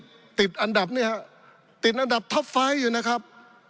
ไม่เห็นแต่ก็ยังมีติดอันดับนี้ครับติดอันดับท็อปไฟล์อยู่นะครับ